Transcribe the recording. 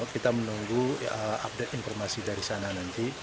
kita menunggu update informasi dari sana nanti